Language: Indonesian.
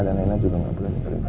dan rena juga gak boleh ninggalin papa